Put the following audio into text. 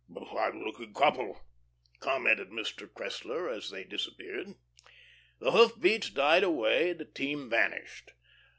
"A fine looking couple," commented Mr. Cressler as they disappeared. The hoof beats died away, the team vanished.